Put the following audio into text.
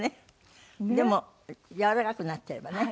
でもやわらかくなってればね。